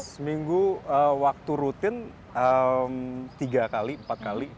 seminggu waktu rutin tiga kali empat kali